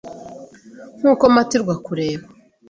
nkuko mpatirwa kureba